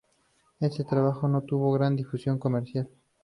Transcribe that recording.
Este trabajo no tuvo gran difusión comercial.